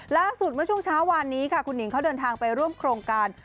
ล่าสุดเมื่อช่วงเช้าวานนี้ค่ะคุณหิงเขาเดินทางไปร่วมโครงการ